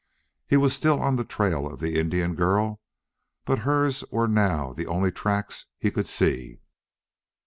He was still on the trail of the Indian girl, but hers were now the only tracks he could see.